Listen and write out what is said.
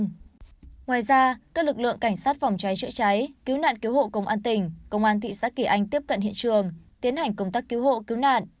ngoài ra các lực lượng cảnh sát phòng cháy chữa cháy cứu nạn cứu hộ công an tỉnh công an thị xã kỳ anh tiếp cận hiện trường tiến hành công tác cứu hộ cứu nạn